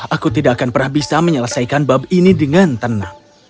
aku tidak akan pernah bisa menyelesaikan bab ini dengan tenang